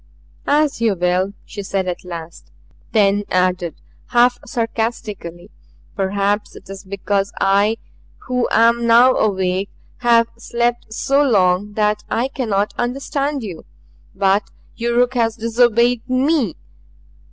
"As you will," she said at last; then added, half sarcastically, "Perhaps it is because I who am now awake have slept so long that I cannot understand you. But Yuruk has disobeyed ME.